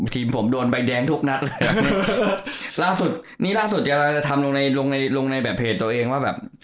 ติมผมโดนใบแดงทุกนัดล่าสุดนี้ล่าสุดจะราชัยทำลงในแบบเพจตัวเองว่าแบบ